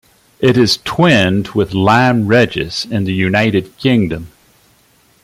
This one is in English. It is twinned with Lyme Regis in the United Kingdom.